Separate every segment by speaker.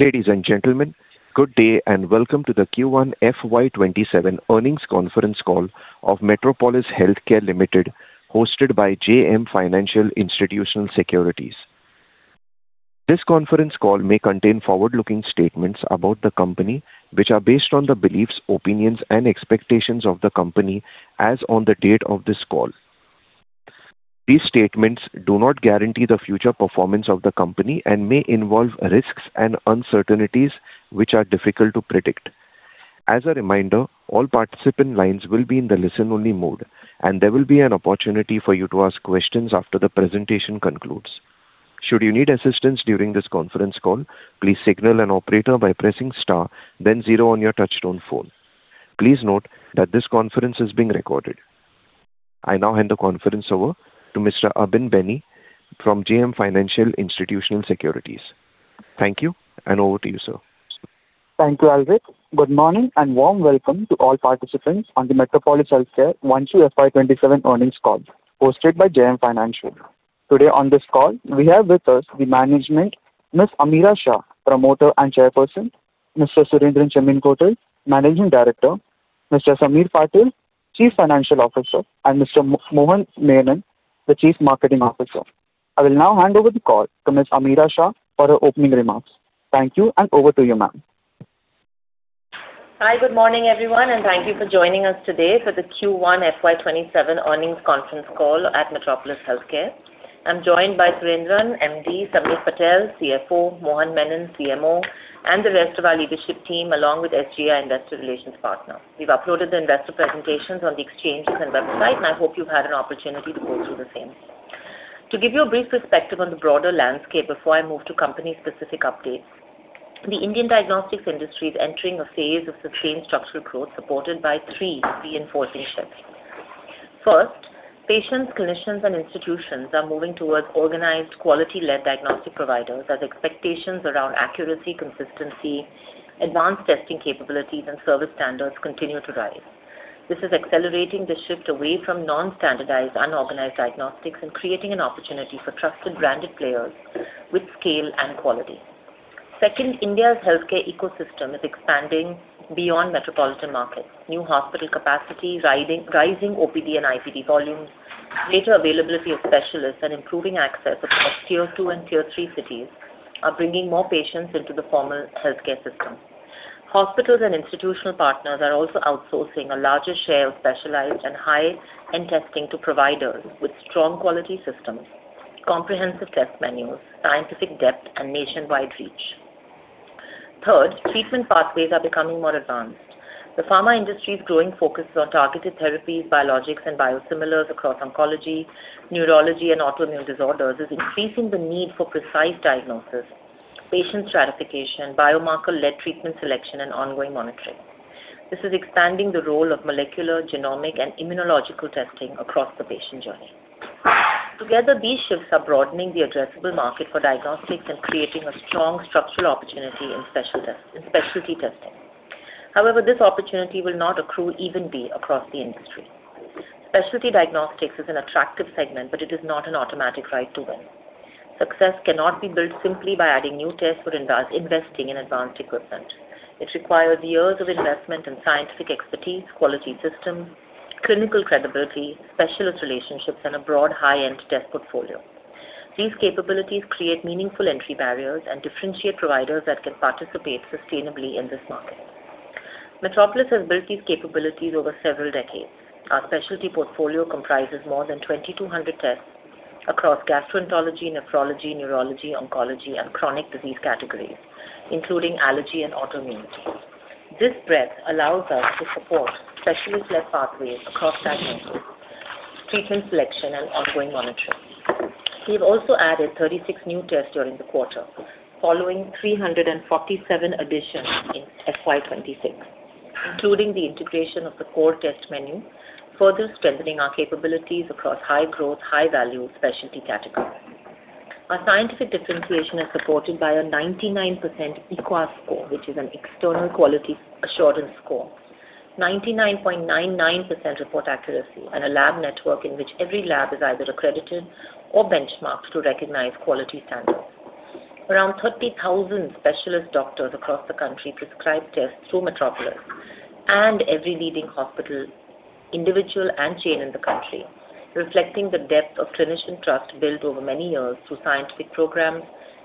Speaker 1: Ladies and gentlemen, good day, and welcome to the Q1 FY 2027 Earnings Conference Call of Metropolis Healthcare, hosted by JM Financial Institutional Securities. This conference call may contain forward-looking statements about the company, which are based on the beliefs, opinions and expectations of the company as on the date of this call. These statements do not guarantee the future performance of the company and may involve risks and uncertainties which are difficult to predict. As a reminder, all participant lines will be in the listen-only mode, and there will be an opportunity for you to ask questions after the presentation concludes. Should you need assistance during this conference call, please signal an operator by pressing star then zero on your touchtone phone. Please note that this conference is being recorded. I now hand the conference over to Mr. Abin Benny from JM Financial Institutional Securities. Thank you, and over to you, sir.
Speaker 2: Thank you, Albert. Good morning, and warm welcome to all participants on the Metropolis Healthcare Q1 FY 2027 Earnings Call hosted by JM Financial. Today on this call, we have with us the management, Ms. Ameera Shah, Promoter and Chairperson, Mr. Surendran Chemmenkotil, Managing Director, Mr. Sameer Patel, Chief Financial Officer, and Mr. Mohan Menon, the Chief Marketing Officer. I will now hand over the call to Ms. Ameera Shah for her opening remarks. Thank you, and over to you, ma'am.
Speaker 3: Hi. Good morning, everyone, and thank you for joining us today for the Q1 FY 2027 Earnings Conference Call at Metropolis Healthcare. I'm joined by Surendran, MD, Sameer Patel, CFO, Mohan Menon, CMO, and the rest of our leadership team, along with SGR Investor Relations Partner. We've uploaded the investor presentations on the exchanges and website, and I hope you've had an opportunity to go through the same. To give you a brief perspective on the broader landscape before I move to company-specific updates, the Indian diagnostics industry is entering a phase of sustained structural growth supported by three reinforcing shifts. First, patients, clinicians, and institutions are moving towards organized quality-led diagnostic providers as expectations around accuracy, consistency, advanced testing capabilities and service standards continue to rise. This is accelerating the shift away from non-standardized, unorganized diagnostics and creating an opportunity for trusted branded players with scale and quality. Second, India's healthcare ecosystem is expanding beyond metropolitan markets. New hospital capacity, rising OPD and IPD volumes, greater availability of specialists, and improving access across Tier 2 and Tier 3 cities are bringing more patients into the formal healthcare system. Hospitals and institutional partners are also outsourcing a larger share of specialized and high-end testing to providers with strong quality systems, comprehensive test menus, scientific depth and nationwide reach. Third, treatment pathways are becoming more advanced. The pharma industry's growing focus on targeted therapies, biologics and biosimilars across oncology, neurology and autoimmune disorders is increasing the need for precise diagnosis, patient stratification, biomarker-led treatment selection and ongoing monitoring. This is expanding the role of molecular, genomic and immunological testing across the patient journey. Together, these shifts are broadening the addressable market for diagnostics and creating a strong structural opportunity in specialty testing. This opportunity will not accrue evenly across the industry. Specialty diagnostics is an attractive segment, but it is not an automatic ride to win. Success cannot be built simply by adding new tests or investing in advanced equipment. It requires years of investment in scientific expertise, quality systems, clinical credibility, specialist relationships, and a broad high-end test portfolio. These capabilities create meaningful entry barriers and differentiate providers that can participate sustainably in this market. Metropolis has built these capabilities over several decades. Our Specialty portfolio comprises more than 2,200 tests across gastroenterology, nephrology, neurology, oncology, and chronic disease categories, including allergy and autoimmunity. This breadth allows us to support specialist-led pathways across diagnosis, treatment selection, and ongoing monitoring. We have also added 36 new tests during the quarter, following 347 additions in FY 2026, including the integration of the core test menu, further strengthening our capabilities across high-growth, high-value specialty categories. Our scientific differentiation is supported by a 99% EQAS score, which is an External Quality Assessment Score, 99.99% report accuracy and a lab network in which every lab is either accredited or benchmarked to recognize quality standards. Around 30,000 specialist doctors across the country prescribe tests through Metropolis and every leading hospital individual and chain in the country, reflecting the depth of clinician trust built over many years through scientific programs,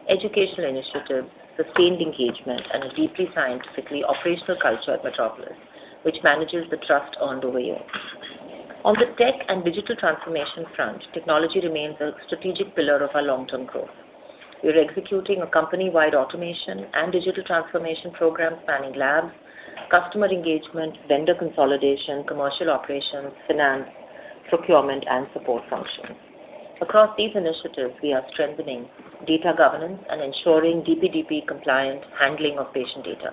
Speaker 3: educational initiatives, sustained engagement, and a deeply scientifically operational culture at Metropolis, which manages the trust earned over years. On the tech and digital transformation front, technology remains a strategic pillar of our long-term growth. We are executing a company-wide automation and digital transformation program spanning labs, customer engagement, vendor consolidation, commercial operations, finance, procurement, and support functions. Across these initiatives, we are strengthening data governance and ensuring DPDP-compliant handling of patient data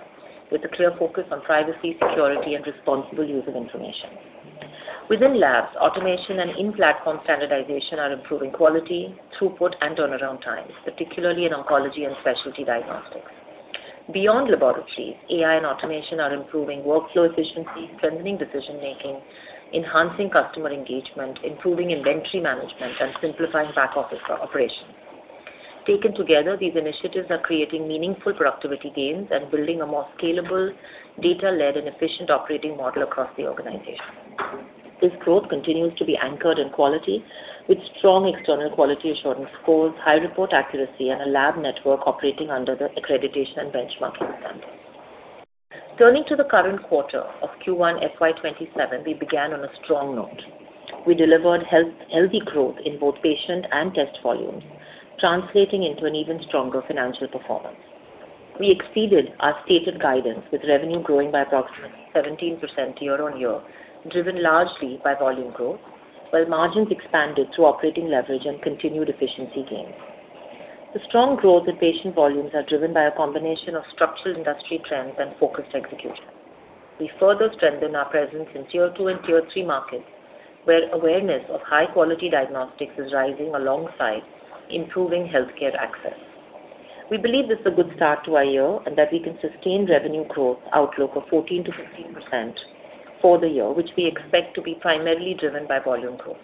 Speaker 3: with a clear focus on privacy, security, and responsible use of information. Within labs, automation and in-platform standardization are improving quality, throughput, and turnaround times, particularly in oncology and specialty diagnostics. Beyond laboratories, AI and automation are improving workflow efficiency, strengthening decision-making, enhancing customer engagement, improving inventory management, and simplifying back office operations. Taken together, these initiatives are creating meaningful productivity gains and building a more scalable, data-led, and efficient operating model across the organization. This growth continues to be anchored in quality, with strong external quality assurance scores, high report accuracy, and a lab network operating under the accreditation and benchmarking standards. Turning to the current quarter of Q1 FY 2027, we began on a strong note. We delivered healthy growth in both patient and test volumes, translating into an even stronger financial performance. We exceeded our stated guidance with revenue growing by approximately 17% year-on-year, driven largely by volume growth, while margins expanded through operating leverage and continued efficiency gains. The strong growth in patient volumes are driven by a combination of structural industry trends and focused execution. We further strengthen our presence in Tier 2 and Tier 3 markets, where awareness of high-quality diagnostics is rising alongside improving healthcare access. We believe this is a good start to our year, and that we can sustain revenue growth outlook of 14%-16% for the year, which we expect to be primarily driven by volume growth.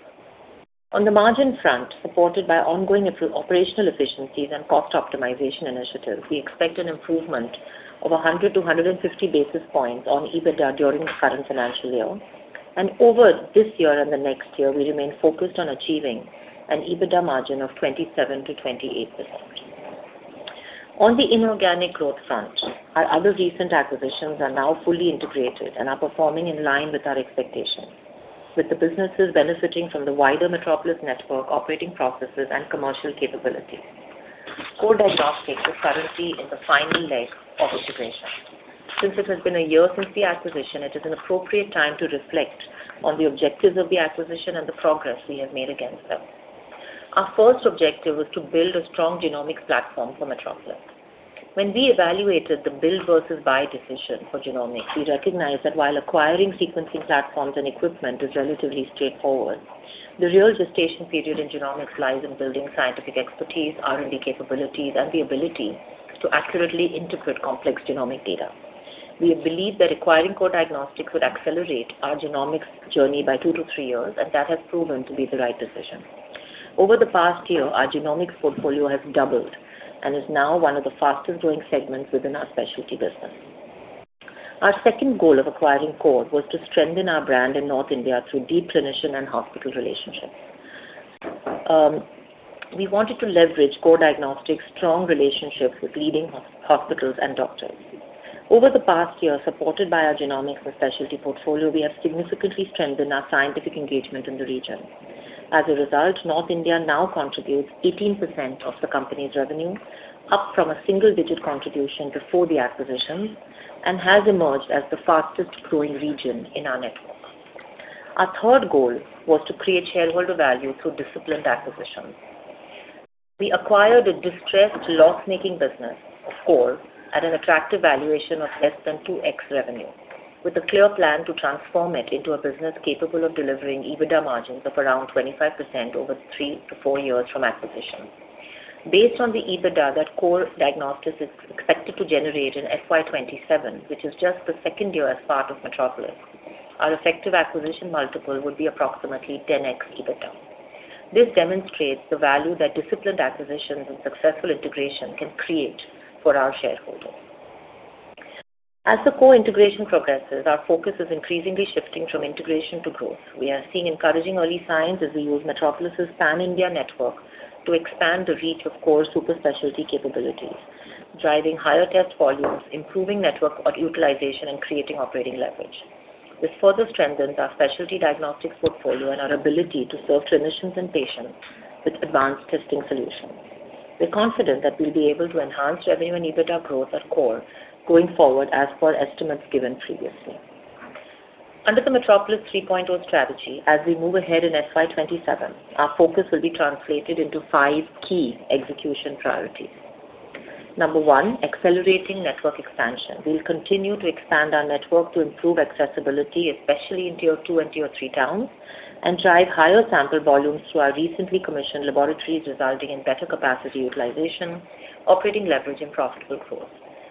Speaker 3: On the margin front, supported by ongoing operational efficiencies and cost optimization initiatives, we expect an improvement of 100 basis points-150 basis points on EBITDA during the current financial year. Over this year and the next year, we remain focused on achieving an EBITDA margin of 27%-28%. On the inorganic growth front, our other recent acquisitions are now fully integrated and are performing in line with our expectations. With the businesses benefiting from the wider Metropolis network operating processes and commercial capabilities. Core Diagnostics is currently in the final leg of integration. Since it has been a year since the acquisition, it is an appropriate time to reflect on the objectives of the acquisition and the progress we have made against them. Our first objective was to build a strong genomics platform for Metropolis. When we evaluated the build versus buy decision for genomics, we recognized that while acquiring sequencing platforms and equipment is relatively straightforward, the real gestation period in genomics lies in building scientific expertise, R&D capabilities, and the ability to accurately interpret complex genomic data. We believe that acquiring Core Diagnostics would accelerate our genomics journey by two-three years, and that has proven to be the right decision. Over the past year, our genomics portfolio has doubled and is now one of the fastest-growing segments within our Specialty business. Our second goal of acquiring Core was to strengthen our brand in North India through deep clinician and hospital relationships. We wanted to leverage Core Diagnostics' strong relationships with leading hospitals and doctors. Over the past year, supported by our genomics and specialty portfolio, we have significantly strengthened our scientific engagement in the region. As a result, North India now contributes 18% of the company's revenue, up from a single digit contribution before the acquisition, and has emerged as the fastest-growing region in our network. Our third goal was to create shareholder value through disciplined acquisitions. We acquired a distressed loss-making business of Core at an attractive valuation of less than 2x revenue, with a clear plan to transform it into a business capable of delivering EBITDA margins of around 25% over three to four years from acquisition. Based on the EBITDA that Core Diagnostics is expected to generate in FY 2027, which is just the second year as part of Metropolis, our effective acquisition multiple would be approximately 10x EBITDA. This demonstrates the value that disciplined acquisitions and successful integration can create for our shareholders. As the Core integration progresses, our focus is increasingly shifting from integration to growth. We are seeing encouraging early signs as we use Metropolis' pan-India network to expand the reach of Core super specialty capabilities, driving higher test volumes, improving network utilization, and creating operating leverage. This further strengthens our specialty diagnostics portfolio and our ability to serve clinicians and patients with advanced testing solutions. We're confident that we'll be able to enhance revenue and EBITDA growth at Core going forward as per estimates given previously. Under the Metropolis 3.0 strategy, as we move ahead in FY 2027, our focus will be translated into five key execution priorities. Number one, accelerating network expansion. We'll continue to expand our network to improve accessibility, especially in Tier 2 and Tier 3 towns, and drive higher sample volumes through our recently commissioned laboratories, resulting in better capacity utilization, operating leverage, and profitable growth.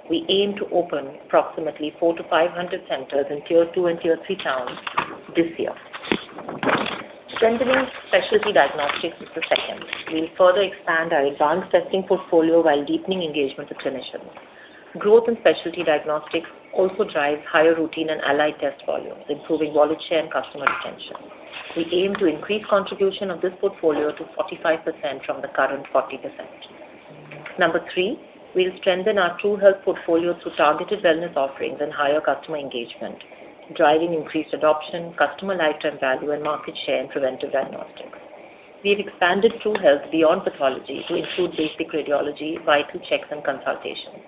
Speaker 3: We aim to open approximately 400 centers-500 centers in Tier 2 and Tier 3 towns this year. Strengthening specialty diagnostics is the second. We'll further expand our advanced testing portfolio while deepening engagement with clinicians. Growth in specialty diagnostics also drives higher routine and allied test volumes, improving volume share and customer retention. We aim to increase contribution of this portfolio to 45% from the current 40%. Number three, we'll strengthen our TruHealth portfolio through targeted wellness offerings and higher customer engagement, driving increased adoption, customer lifetime value, and market share in preventive diagnostics. We've expanded TruHealth beyond pathology to include basic radiology, vital checks, and consultations.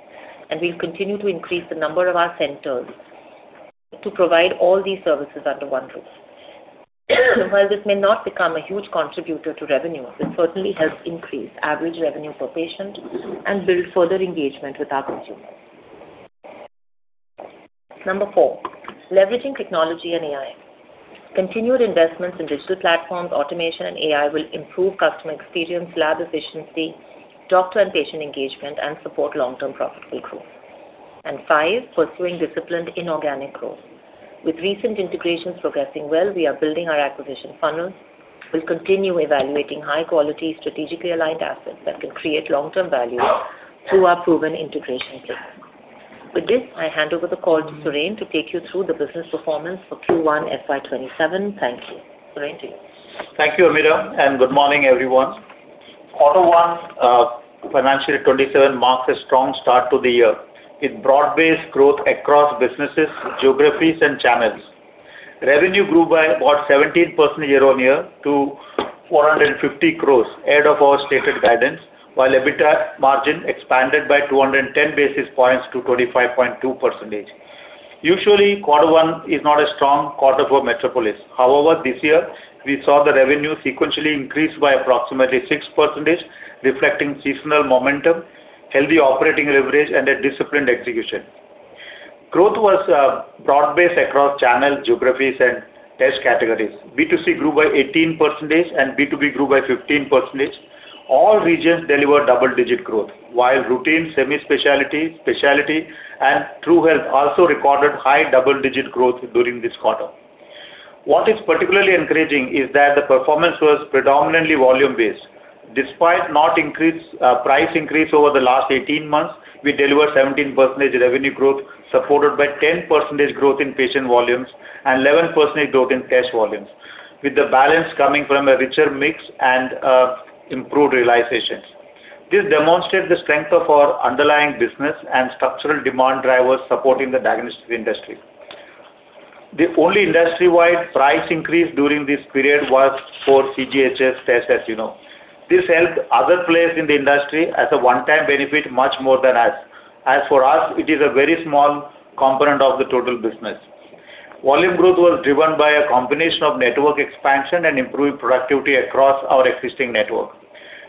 Speaker 3: We'll continue to increase the number of our centers to provide all these services under one roof. While this may not become a huge contributor to revenue, it certainly helps increase average revenue per patient and build further engagement with our consumers. Number four, leveraging technology and AI. Continued investments in digital platforms, automation, and AI will improve customer experience, lab efficiency, doctor and patient engagement, and support long-term profitable growth. Five, pursuing disciplined inorganic growth. With recent integrations progressing well, we are building our acquisition funnel. We'll continue evaluating high-quality, strategically aligned assets that can create long-term value through our proven integration playbook. With this, I hand over the call to Suren to take you through the business performance for Q1 FY 2027. Thank you. Suren, to you.
Speaker 4: Thank you, Ameera, and good morning, everyone. Quarter one financial year 2027 marks a strong start to the year with broad-based growth across businesses, geographies, and channels. Revenue grew by about 17% year-on-year to 450 crore, ahead of our stated guidance, while EBITDA margin expanded by 210 basis points to 25.2%. Usually, quarter one is not a strong quarter for Metropolis. However, this year we saw the revenue sequentially increase by approximately 6%, reflecting seasonal momentum, healthy operating leverage, and a disciplined execution. Growth was broad-based across channels, geographies, and test categories. B2C grew by 18%, and B2B grew by 15%. All regions delivered double digit growth, while routine, semi-specialty, specialty, and TruHealth also recorded high-double digit growth during this quarter. What is particularly encouraging is that the performance was predominantly volume-based. Despite no price increase over the last 18 months, we delivered 17% revenue growth, supported by 10% growth in patient volumes and 11% growth in test volumes, with the balance coming from a richer mix and improved realizations. This demonstrates the strength of our underlying business and structural demand drivers supporting the diagnostic industry. The only industry-wide price increase during this period was for CGHS tests, as you know. This helped other players in the industry as a one-time benefit much more than us. As for us, it is a very small component of the total business. Volume growth was driven by a combination of network expansion and improved productivity across our existing network.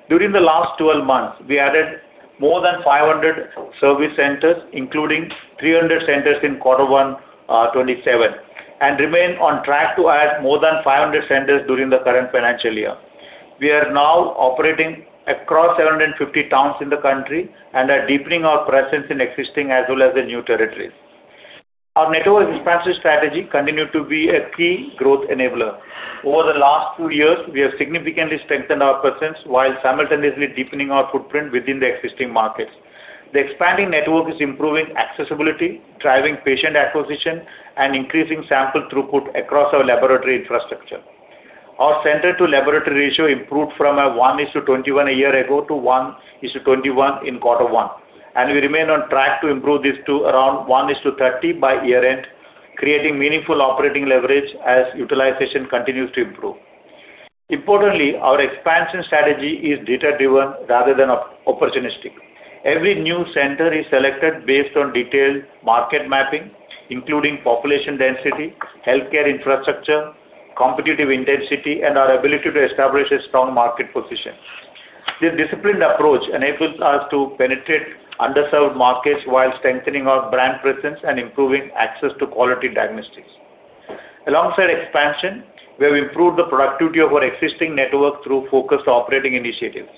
Speaker 4: During the last 12 months, we added more than 500 service centers, including 300 centers in quarter one 2027, and remain on track to add more than 500 centers during the current financial year. We are now operating across 750 towns in the country and are deepening our presence in existing as well as new territories. Our network expansion strategy continued to be a key growth enabler. Over the last two years, we have significantly strengthened our presence while simultaneously deepening our footprint within the existing markets. The expanding network is improving accessibility, driving patient acquisition, and increasing sample throughput across our laboratory infrastructure. Our center-to-laboratory ratio improved from 1:21 a year ago, to 1:21 in quarter one, and we remain on track to improve this to around 1:30 by year-end, creating meaningful operating leverage as utilization continues to improve. Importantly, our expansion strategy is data-driven rather than opportunistic. Every new center is selected based on detailed market mapping, including population density, healthcare infrastructure, competitive intensity, and our ability to establish a strong market position. This disciplined approach enables us to penetrate underserved markets while strengthening our brand presence and improving access to quality diagnostics. Alongside expansion, we have improved the productivity of our existing network through focused operating initiatives.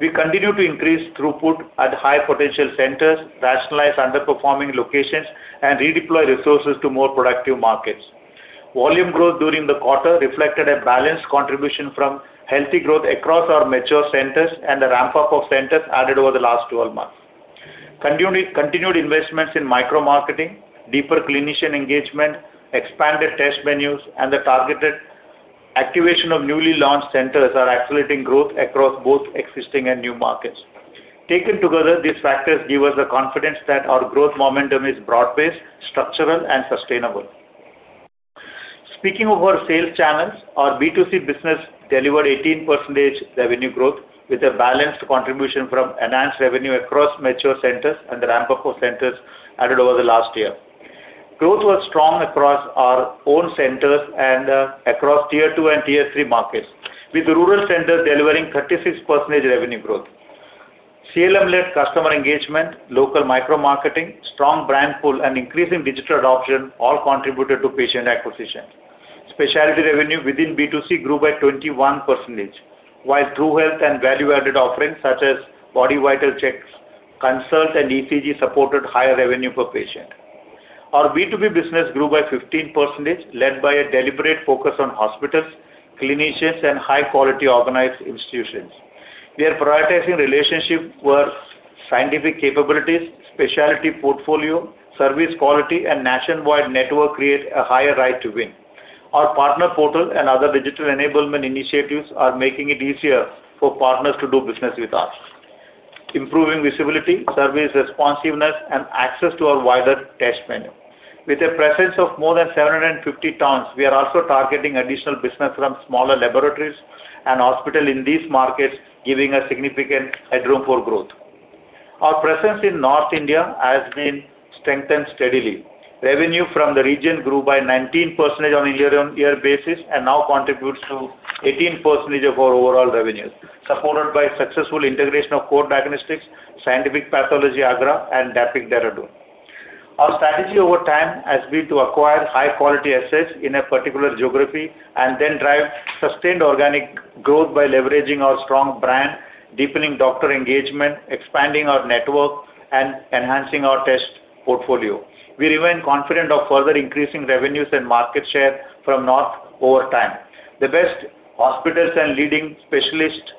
Speaker 4: We continue to increase throughput at high-potential centers, rationalize underperforming locations, and redeploy resources to more productive markets. Volume growth during the quarter reflected a balanced contribution from healthy growth across our mature centers and the ramp-up of centers added over the last 12 months. Continued investments in micro-marketing, deeper clinician engagement, expanded test menus, and the targeted activation of newly launched centers are accelerating growth across both existing and new markets. Taken together, these factors give us the confidence that our growth momentum is broad-based, structural, and sustainable. Speaking of our sales channels, our B2C business delivered 18% revenue growth with a balanced contribution from enhanced revenue across mature centers and the ramp-up of centers added over the last year. Growth was strong across our own centers and across Tier 2 and Tier 3 markets, with rural centers delivering 36% revenue growth. CLM-led customer engagement, local micro-marketing, strong brand pull, and increasing digital adoption all contributed to patient acquisition. Specialty revenue within B2C grew by 21%, while TruHealth and value-added offerings such as body vital checks, consults, and ECG supported higher revenue per patient. Our B2B business grew by 15%, led by a deliberate focus on hospitals, clinicians, and high-quality organized institutions. We are prioritizing relationships where scientific capabilities, Specialty portfolio, service quality, and nationwide network create a higher right to win. Our partner portal and other digital enablement initiatives are making it easier for partners to do business with us, improving visibility, service responsiveness, and access to our wider test menu. With a presence of more than 750 towns, we are also targeting additional business from smaller laboratories and hospitals in these markets, giving us significant headroom for growth. Our presence in North India has been strengthened steadily. Revenue from the region grew by 19% on a year-on-year basis and now contributes to 18% of our overall revenue, supported by successful integration of Core Diagnostics, Scientific Pathology in Agra, and DAPIC Dehradun. Our strategy over time has been to acquire high-quality assets in a particular geography and then drive sustained organic growth by leveraging our strong brand, deepening doctor engagement, expanding our network, and enhancing our test portfolio. We remain confident of further increasing revenues and market share from North over time. The best hospitals and leading specialists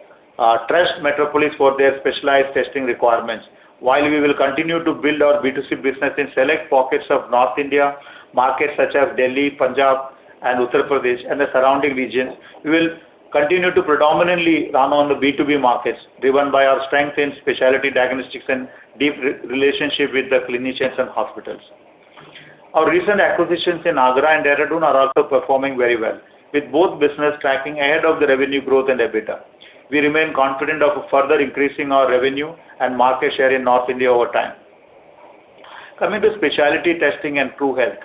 Speaker 4: trust Metropolis for their specialized testing requirements. While we will continue to build our B2C business in select pockets of North India markets such as Delhi, Punjab, and Uttar Pradesh and the surrounding regions, we will continue to predominantly run on the B2B markets, driven by our strength in specialty diagnostics and deep relationship with the clinicians and hospitals. Our recent acquisitions in Agra and Dehradun are also performing very well, with both business tracking ahead of the revenue growth and EBITDA. We remain confident of further increasing our revenue and market share in North India over time. Coming to specialty testing and TruHealth.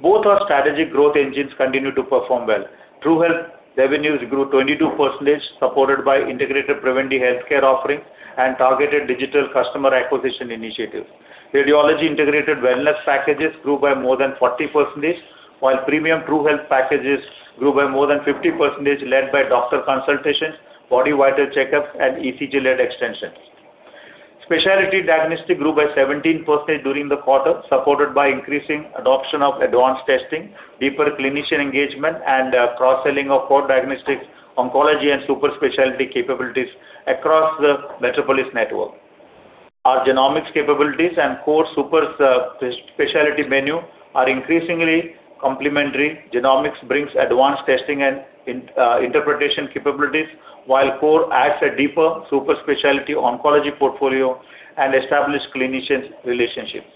Speaker 4: Both our strategic growth engines continue to perform well. TruHealth revenues grew 22%, supported by integrated preventive healthcare offerings and targeted digital customer acquisition initiatives. Radiology integrated wellness packages grew by more than 40%, while premium TruHealth packages grew by more than 50%, led by doctor consultations, body vital checkups, and ECG-led extensions. Specialty diagnostics grew by 17% during the quarter, supported by increasing adoption of advanced testing, deeper clinician engagement, and cross-selling of Core Diagnostics, oncology and super specialty capabilities across the Metropolis network. Our genomics capabilities and Core super specialty menu are increasingly complementary. Genomics brings advanced testing and interpretation capabilities, while Core adds a deeper super specialty oncology portfolio and established clinician relationships.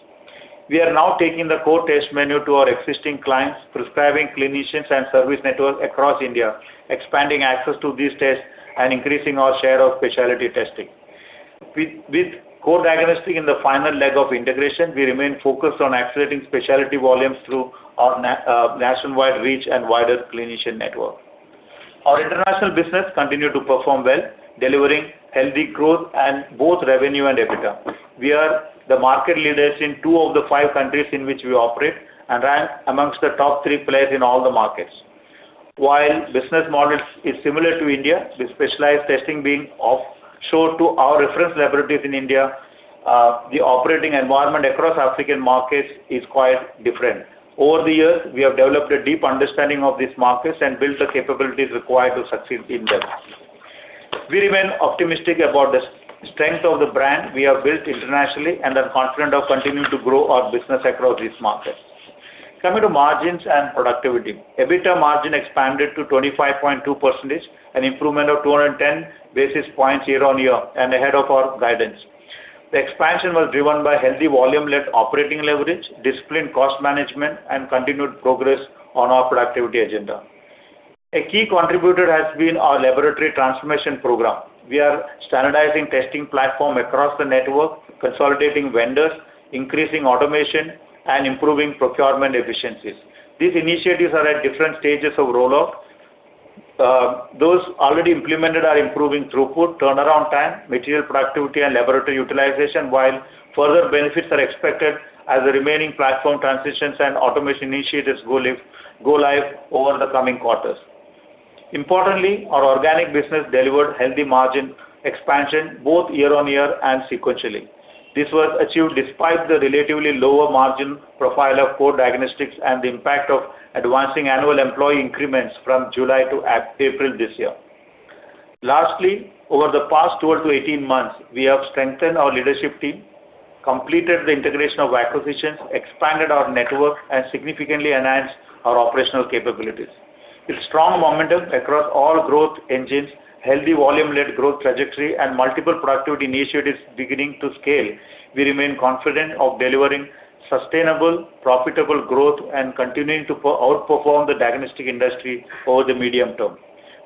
Speaker 4: We are now taking the Core test menu to our existing clients, prescribing clinicians and service networks across India, expanding access to these tests and increasing our share of specialty testing. With Core Diagnostics in the final leg of integration, we remain focused on accelerating specialty volumes through our nationwide reach and wider clinician network. Our International business continued to perform well, delivering healthy growth in both revenue and EBITDA. We are the market leaders in two of the five countries in which we operate and rank amongst the top three players in all the markets. While business model is similar to India, with specialized testing being offshored to our reference laboratories in India, the operating environment across African markets is quite different. Over the years, we have developed a deep understanding of these markets and built the capabilities required to succeed in them. We remain optimistic about the strength of the brand we have built internationally and are confident of continuing to grow our business across these markets. Coming to margins and productivity. EBITDA margin expanded to 25.2%, an improvement of 210 basis points year-on-year and ahead of our guidance. The expansion was driven by healthy volume-led operating leverage, disciplined cost management, and continued progress on our productivity agenda. A key contributor has been our laboratory transformation program. We are standardizing testing platform across the network, consolidating vendors, increasing automation, and improving procurement efficiencies. These initiatives are at different stages of roll-out. Those already implemented are improving throughput, turnaround time, material productivity, and laboratory utilization, while further benefits are expected as the remaining platform transitions and automation initiatives go live over the coming quarters. Importantly, our organic business delivered healthy margin expansion both year-on-year and sequentially. This was achieved despite the relatively lower margin profile of Core Diagnostics and the impact of advancing annual employee increments from July-April this year. Lastly, over the past 12 months-18 months, we have strengthened our leadership team, completed the integration of acquisitions, expanded our network, and significantly enhanced our operational capabilities. With strong momentum across all growth engines, healthy volume-led growth trajectory, and multiple productivity initiatives beginning to scale, we remain confident of delivering sustainable, profitable growth and continuing to outperform the diagnostic industry over the medium term.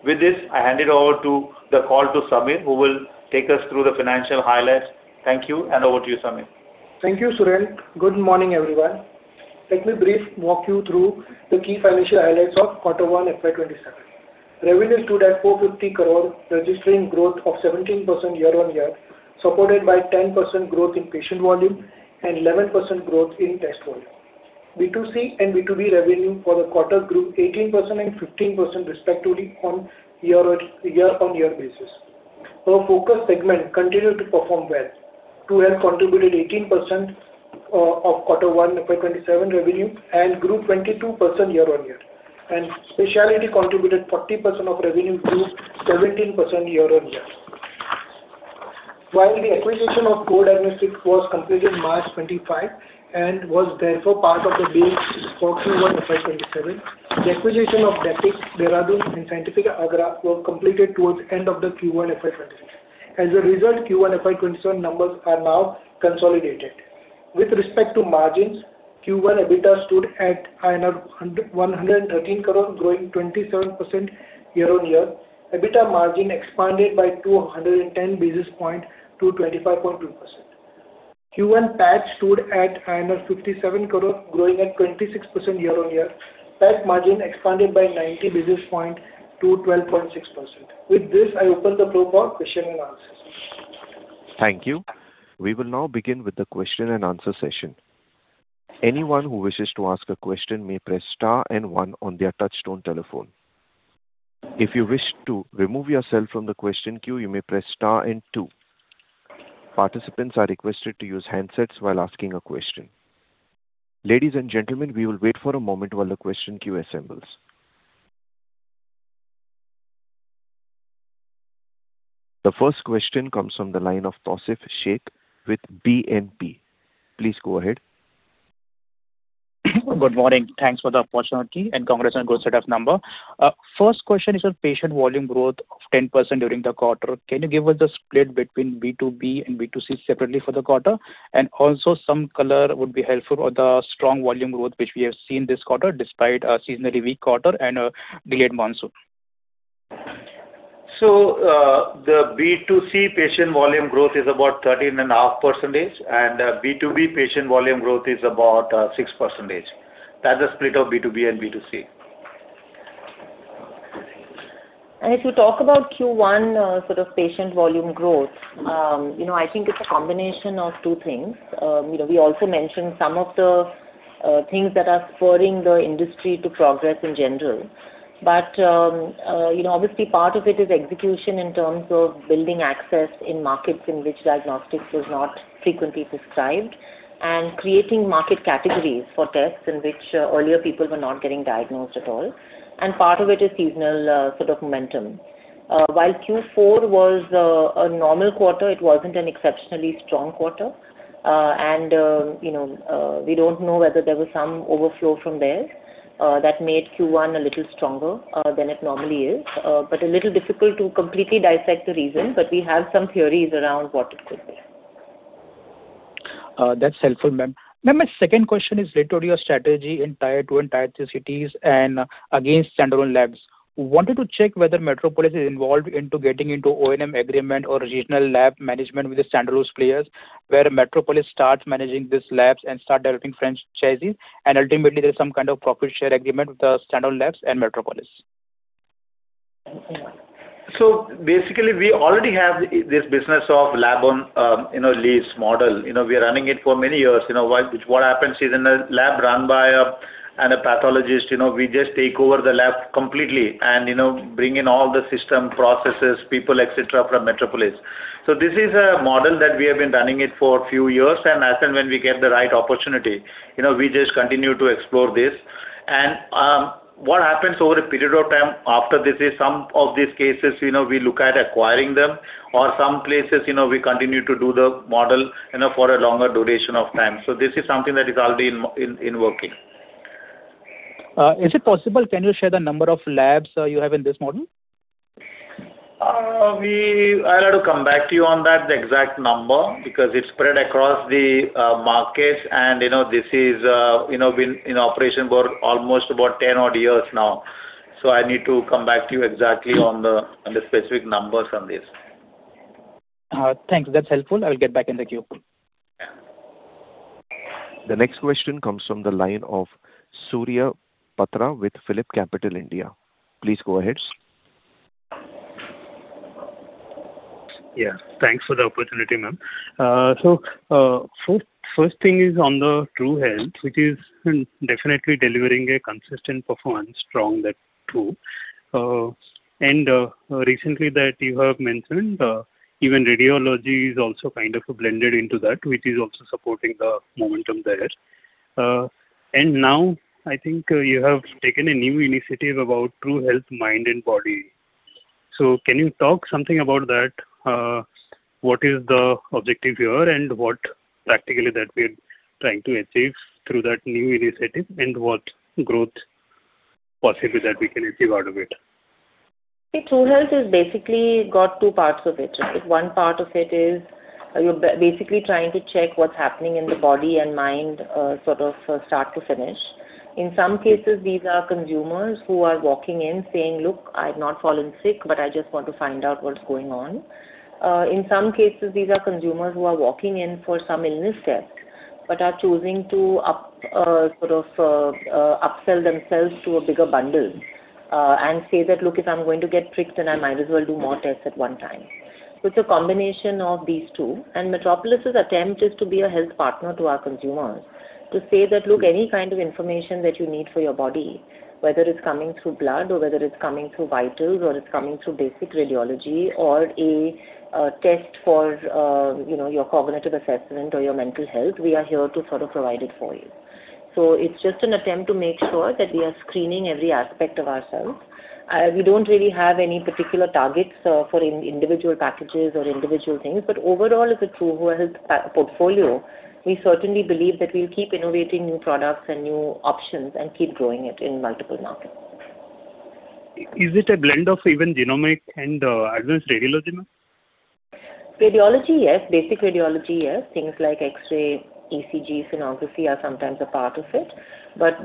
Speaker 4: With this, I hand it over to Sameer, who will take us through the financial highlights. Thank you, and over to you, Sameer.
Speaker 5: Thank you, Suren. Good morning, everyone. Let me briefly walk you through the key financial highlights of quarter one FY 2027. Revenue stood at 450 crore, registering growth of 17% year-on-year, supported by 10% growth in patient volume and 11% growth in test volume. B2C and B2B revenue for the quarter grew 18% and 15%, respectively, on a year-on-year basis. Our focused segments continued to perform well. TruHealth contributed 18% of quarter one FY 2027 revenue and grew 22% year-on-year. Specialty contributed 40% of revenue, grew 17% year-on-year. While the acquisition of Core Diagnostics was completed March 2025 and was therefore part of the base for Q1 FY 2027, the acquisition of DAPIC Dehradun and Scientific Pathology in Agra were completed towards end of the Q1 FY 2027. As a result, Q1 FY 2027 numbers are now consolidated. With respect to margins, Q1 EBITDA stood at 113 crore, growing 27% year-on-year. EBITDA margin expanded by 210 basis points to 25.2%. Q1 PAT stood at 57 crore, growing at 26% year-on-year. PAT margin expanded by 90 basis points to 12.6%. With this, I open the floor for question and answers.
Speaker 1: Thank you. We will now begin with the question and answer session. Anyone who wishes to ask a question may press star and one on their touchtone telephone. If you wish to remove yourself from the question queue, you may press star and two. Participants are requested to use handsets while asking a question. Ladies and gentlemen, we will wait for a moment while the question queue assembles. The first question comes from the line of Tausif Shaikh with BNP. Please go ahead.
Speaker 6: Good morning. Thanks for the opportunity. Congrats on good set of numbers. First question is on patient volume growth of 10% during the quarter. Can you give us the split between B2B and B2C separately for the quarter? Also some color would be helpful for the strong volume growth which we have seen this quarter despite a seasonally weak quarter and a delayed monsoon?
Speaker 4: The B2C patient volume growth is about 13.5%, and B2B patient volume growth is about 6%. That's the split of B2B and B2C.
Speaker 3: If you talk about Q1 sort of patient volume growth, I think it's a combination of two things. We also mentioned some of the things that are spurring the industry to progress in general. Obviously part of it is execution in terms of building access in markets in which diagnostics was not frequently prescribed, and creating market categories for tests in which earlier people were not getting diagnosed at all. Part of it is seasonal sort of momentum. While Q4 was a normal quarter, it wasn't an exceptionally strong quarter. We don't know whether there was some overflow from there that made Q1 a little stronger than it normally is. A little difficult to completely dissect the reason, but we have some theories around what it could be.
Speaker 6: That's helpful, Ma'am. Ma'am, my second question is related to your strategy in Tier 2 and Tier 3 cities and against standalone labs. Wanted to check whether Metropolis is involved into getting into O&M agreement or regional lab management with the standalone players, where Metropolis starts managing these labs and start developing franchises, and ultimately there's some kind of profit share agreement with the standalone labs and Metropolis?
Speaker 4: Basically we already have this business of lab-on-lease model. We are running it for many years. What happens is in a lab run by a pathologist, we just take over the lab completely and bring in all the system, processes, people, et cetera, from Metropolis. This is a model that we have been running it for a few years, and as and when we get the right opportunity, we just continue to explore this. What happens over a period of time after this is some of these cases we look at acquiring them or some places we continue to do the model for a longer duration of time. This is something that is already in working.
Speaker 6: Is it possible, can you share the number of labs you have in this model?
Speaker 4: I'll have to come back to you on that, the exact number, because it's spread across the markets and this is been in operation for almost about 10-odd years now. I need to come back to you exactly on the specific numbers on this.
Speaker 6: Thanks. That is helpful. I will get back in the queue.
Speaker 1: The next question comes from the line of Surya Patra with PhillipCapital India. Please go ahead.
Speaker 7: Yeah. Thanks for the opportunity, ma'am. First thing is on the TruHealth, which is definitely delivering a consistent performance. Strong, that too. Recently that you have mentioned, even radiology is also kind of blended into that, which is also supporting the momentum there. Now I think you have taken a new initiative about TruHealth Mind & Body. Can you talk something about that? What is the objective here and what practically that we are trying to achieve through that new initiative, and what growth possible that we can achieve out of it?
Speaker 3: TruHealth has basically got two parts of it. One part of it is you are basically trying to check what is happening in the body and mind sort of start to finish. In some cases, these are consumers who are walking in saying, "Look, I have not fallen sick, but I just want to find out what is going on." In some cases, these are consumers who are walking in for some illness test, but are choosing to up-sell themselves to a bigger bundle and say that, "Look, if I am going to get pricked, then I might as well do more tests at one time." It is a combination of these two. Metropolis's attempt is to be a health partner to our consumers. To say that, "Look, any kind of information that you need for your body, whether it's coming through blood or whether it's coming through vitals or it's coming through basic radiology or a test for your cognitive assessment or your mental health, we are here to sort of provide it for you." It's just an attempt to make sure that we are screening every aspect of ourselves. We don't really have any particular targets for individual packages or individual things, but overall as a TruHealth portfolio, we certainly believe that we'll keep innovating new products and new options and keep growing it in multiple markets.
Speaker 7: Is it a blend of even genomic and advanced radiology, ma'am?
Speaker 3: Radiology, yes. Basic radiology, yes. Things like X-ray, ECG, sonography are sometimes a part of it.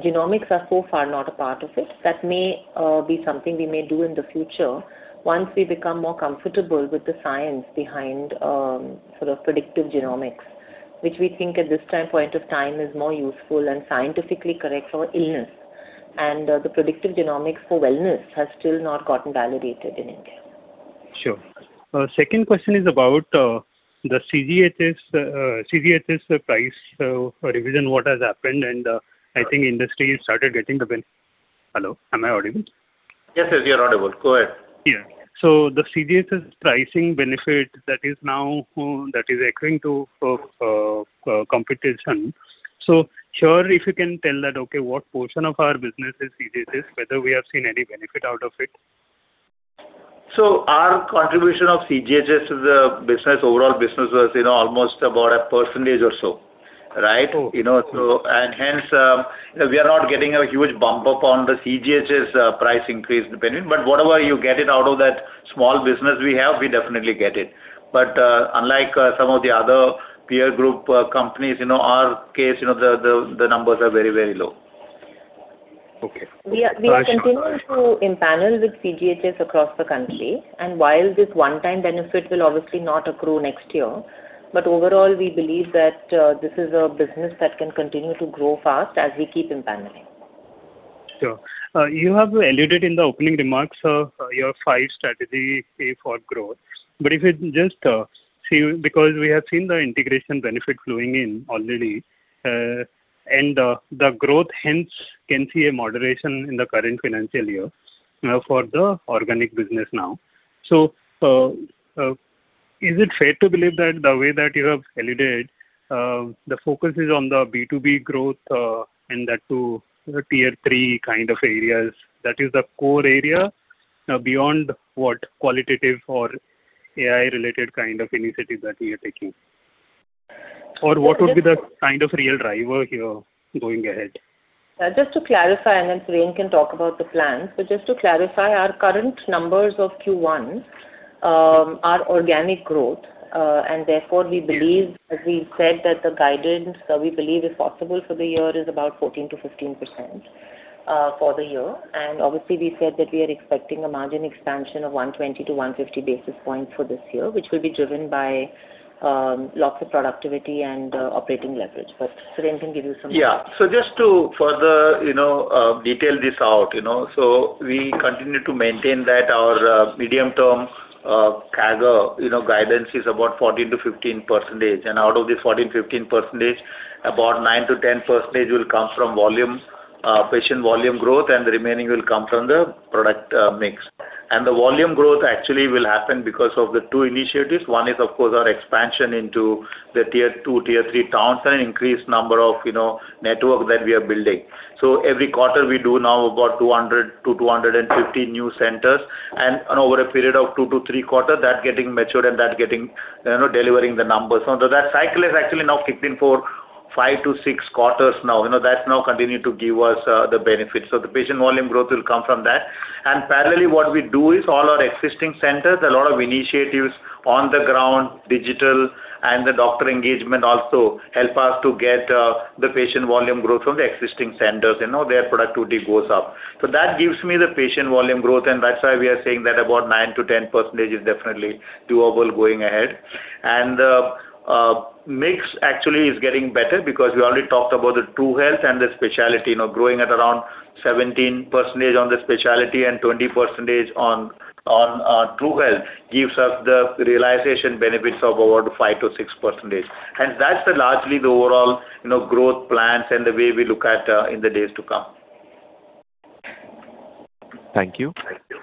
Speaker 3: Genomics are so far not a part of it. That may be something we may do in the future once we become more comfortable with the science behind sort of predictive genomics, which we think at this point of time is more useful and scientifically correct for illness. The predictive genomics for wellness has still not gotten validated in India.
Speaker 7: Sure. Second question is about the CGHS price revision, what has happened, I think industry started getting the benefit. Hello, am I audible?
Speaker 4: Yes, yes, you're audible. Go ahead.
Speaker 7: Yeah. The CGHS pricing benefit that is accruing to competition. Sure, if you can tell that, okay, what portion of our business is CGHS, whether we have seen any benefit out of it?
Speaker 4: Our contribution of CGHS to the overall business was almost about a percentage or so. Right?
Speaker 7: Oh, okay.
Speaker 4: Hence, we are not getting a huge bump up on the CGHS price increase depending. Whatever you get it out of that small business we have, we definitely get it. Unlike some of the other peer group companies, our case, the numbers are very low.
Speaker 7: Okay.
Speaker 3: We are continuing to empanel with CGHS across the country. While this one-time benefit will obviously not accrue next year, overall, we believe that this is a business that can continue to grow fast as we keep empaneling.
Speaker 7: Sure. You have alluded in the opening remarks your five strategy for growth. If you just see, because we have seen the integration benefit flowing in already, the growth hence can see a moderation in the current financial year for the organic business now. Is it fair to believe that the way that you have alluded, the focus is on the B2B growth, that to the Tier 3 kind of areas, that is the core area beyond what qualitative or AI-related kind of initiatives that we are taking? What would be the kind of real driver here going ahead?
Speaker 3: Just to clarify, then Suren can talk about the plans. Just to clarify our current numbers of Q1 are organic growth. Therefore, we believe, as we said that the guidance we believe is possible for the year is about 14%-15% for the year. Obviously, we said that we are expecting a margin expansion of 120 basis points-150 basis points for this year, which will be driven by lots of productivity and operating leverage.
Speaker 4: Just to further detail this out. We continue to maintain that our medium-term CAGR guidance is about 14%-15%. Out of this 14%-15%, about 9%-10% will come from patient volume growth, and the remaining will come from the product mix. The volume growth actually will happen because of the two initiatives. One is, of course, our expansion into the Tier 2, Tier 3 towns and increased number of network that we are building. Every quarter we do now about 200-250 new centers, and over a period of two to three quarters that getting matured and that delivering the numbers. That cycle has actually now kicked in for five to six quarters now. That's now continued to give us the benefits. The patient volume growth will come from that. Parallelly, what we do is all our existing centers, a lot of initiatives on the ground, digital, and the doctor engagement also help us to get the patient volume growth from the existing centers. Their productivity goes up. That gives me the patient volume growth, and that's why we are saying that about 9%-10% is definitely doable going ahead. The mix actually is getting better because we already talked about the TruHealth and the Specialty now growing at around 17% on the Specialty and 20% on TruHealth gives us the realization benefits of about 5%-6%. That's largely the overall growth plans and the way we look at in the days to come.
Speaker 1: Thank you.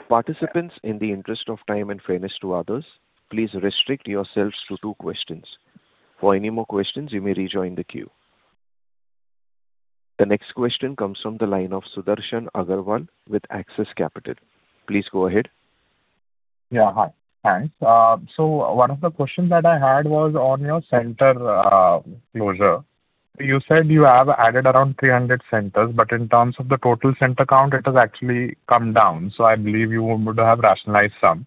Speaker 1: Participants, in the interest of time and fairness to others, please restrict yourselves to two questions. For any more questions, you may rejoin the queue. The next question comes from the line of Sudarshan Agarwal with Axis Capital. Please go ahead.
Speaker 8: One of the questions that I had was on your center closure. You said you have added around 300 centers, but in terms of the total center count, it has actually come down. I believe you would have rationalized some.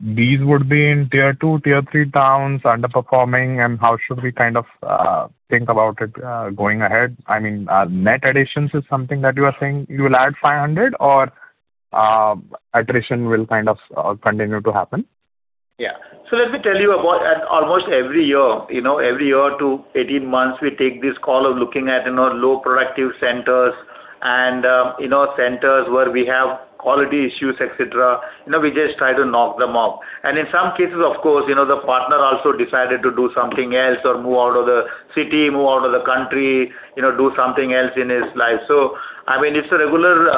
Speaker 8: These would be in Tier 2, Tier 3 towns, underperforming, and how should we think about it going ahead? I mean, net additions is something that you are saying you will add 500 or attrition will continue to happen?
Speaker 4: Yeah. Let me tell you about almost every year to 18 months, we take this call of looking at low productive centers and centers where we have quality issues, etc. We just try to knock them off. In some cases, of course, the partner also decided to do something else or move out of the city, move out of the country, do something else in his life. I mean, it's a regular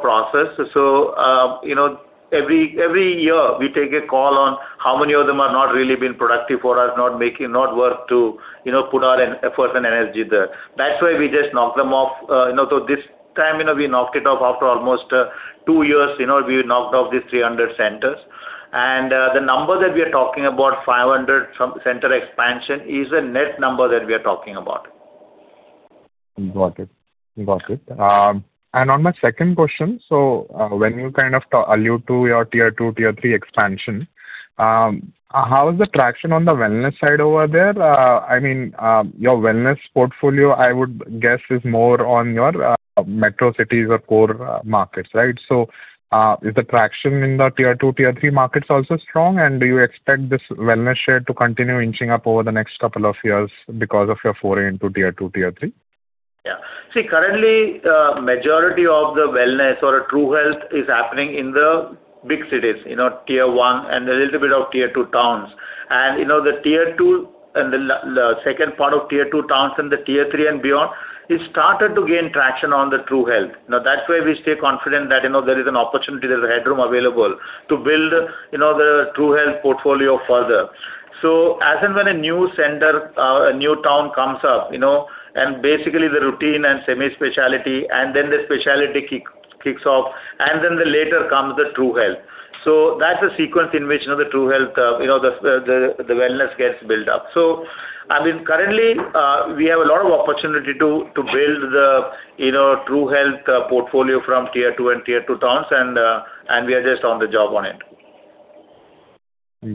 Speaker 4: process. Every year we take a call on how many of them are not really been productive for us, not worth to put our effort and energy there. That's why we just knock them off. This time, we knocked it off after almost two years, we knocked off these 300 centers. The number that we are talking about, 500 center expansion, is a net number that we are talking about.
Speaker 8: Got it. On my second question, when you allude to your Tier 2, Tier 3 expansion, how is the traction on the wellness side over there? I mean, your wellness portfolio, I would guess is more on your metro cities or core markets, right? Is the traction in the Tier 2, Tier 3 markets also strong? Do you expect this wellness share to continue inching up over the next couple of years because of your foray into Tier 2, Tier 3?
Speaker 4: Currently, majority of the wellness or TruHealth is happening in the big cities, Tier 1 and a little bit of Tier 2 towns. The Tier 2 and the second part of Tier 2 towns and the Tier 3 and beyond, it started to gain traction on the TruHealth. That's why we stay confident that there is an opportunity, there's a headroom available to build the TruHealth portfolio further. As and when a new center, a new town comes up, basically the routine and semi-specialty, then the specialty kicks off, then later comes the TruHealth. That's the sequence in which the wellness gets built up. Currently we have a lot of opportunity to build the TruHealth portfolio from Tier 1 and Tier 2 towns, we are just on the job on it.